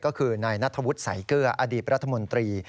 ก็คือนายนัทธวุฒิสายเกลืออดีตรัฐมนตรี